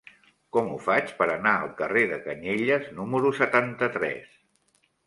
Com ho faig per anar al carrer de Canyelles número setanta-tres?